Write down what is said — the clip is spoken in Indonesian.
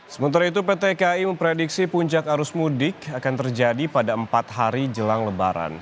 sementara itu pt kai memprediksi puncak arus mudik akan terjadi pada empat hari jelang lebaran